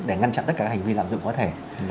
để ngăn chặn tất cả các hành vi lạm dụng có thể